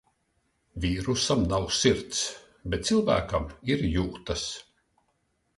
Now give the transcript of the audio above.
Vīrusam nav sirds, bet cilvēkiem ir jūtas.